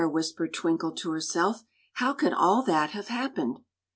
whispered Twinkle to herself; "how could all that have happened?"